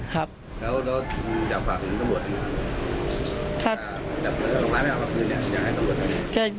แล้วอยากฝากคนร้ายไม่เอามาคืนอยากให้ตำรวจเร่ง